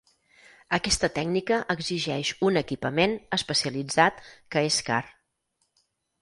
Aquesta tècnica exigeix un equipament especialitzat que és car.